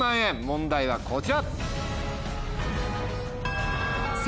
問題はこちら。